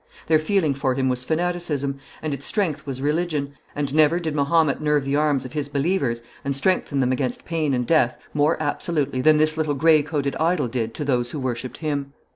Their feeling for him was fanaticism, and its strength was religion, and never did Mahomet nerve the arms of his believers and strengthen them against pain and death more absolutely than this little grey coated idol did to those who worshipped him.